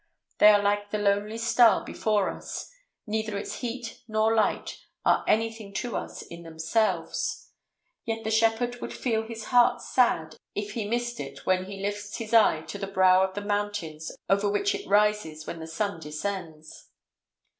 They are like the lonely star before us: neither its heat nor light are any thing to us in themselves, yet the shepherd would feel his heart sad if he missed it when he lifts his eye to the brow of the mountains over which it rises when the sun descends.